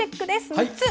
３つ。